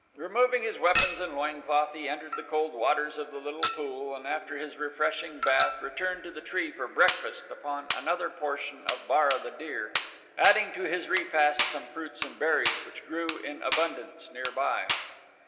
Removing his weapons and loin cloth he entered the cold waters of the little pool, and after his refreshing bath returned to the tree to breakfast upon another portion of Bara, the deer, adding to his repast some fruits and berries which grew in abundance nearby.